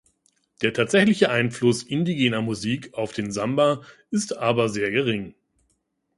Der tatsächliche Einfluss indigener Musik auf den Samba ist aber sehr gering.